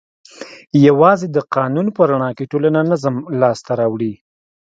یوازې د قانون په رڼا کې ټولنه نظم لاس ته راوړي.